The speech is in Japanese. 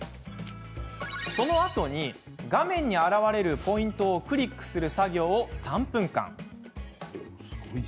そのあとに画面に現れるポイントをクリックする作業を３分間。